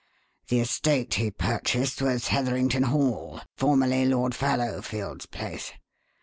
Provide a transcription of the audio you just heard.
The estate he purchased was Heatherington Hall, formerly Lord Fallowfield's place.